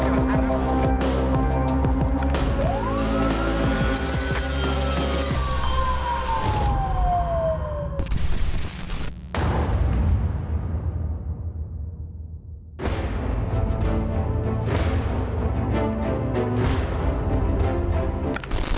โปรดติดตามตอนต่อไป